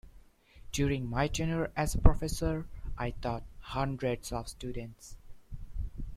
During my tenure as a professor, I taught hundreds of students.